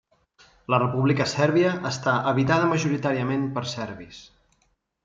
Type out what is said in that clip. La República Sèrbia està habitada majoritàriament per serbis.